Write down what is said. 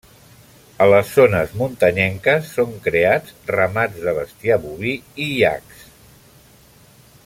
A les zones muntanyenques, són creats ramats de bestiar boví i iacs.